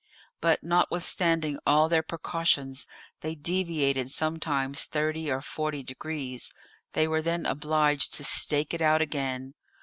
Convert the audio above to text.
But notwithstanding all their precautions, they deviated sometimes thirty or forty degrees; they were then obliged to stake it out again.